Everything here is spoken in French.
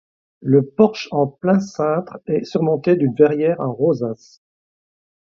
Le porche en plein-cintre est surmonté d'une verrière en rosace.